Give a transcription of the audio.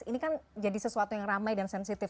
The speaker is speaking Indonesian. ini kan jadi sesuatu yang ramai dan sensitif